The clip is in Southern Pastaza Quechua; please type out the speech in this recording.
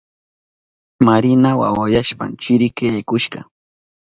Marina wawayashpan chirika yaykushka.